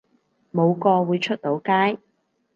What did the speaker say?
冇個會出到街